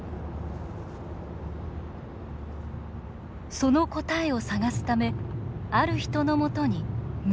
その答えを探すためある人のもとに向かいました